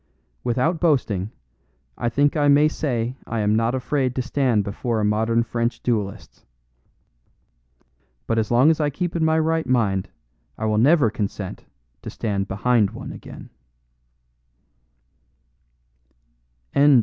Without boasting, I think I may say I am not afraid to stand before a modern French duelist, but as long as I keep in my right mind I will never consent to stand behind one again.